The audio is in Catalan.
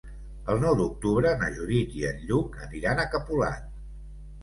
El nou d'octubre na Judit i en Lluc aniran a Capolat.